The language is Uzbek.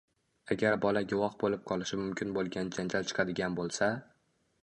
Agar bola guvoh bo‘lib qolishi mumkin bo‘lgan janjal chiqadigan bo‘lsa